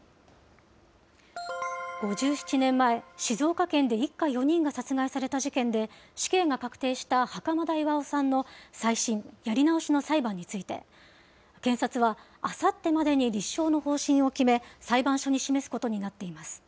５７年前、静岡県で一家４人が殺害された事件で、死刑が確定した袴田巌さんの再審・やり直しの裁判について、検察はあさってまでに立証の方針を決め、裁判所に示すことになっています。